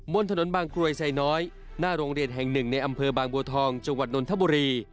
บนถนนบางกรวยไซน้อยหน้าโรงเรียนแห่งหนึ่งในอำเภอบางบัวทองจังหวัดนนทบุรี